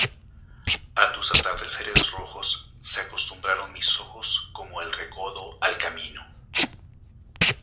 A tus atardeceres rojos se acostumbraron mis ojos como el recodo al camino